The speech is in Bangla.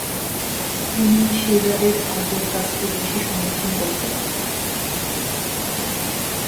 তিনি সেজারের আগের কাজকে বেশি সমর্থন করতেন।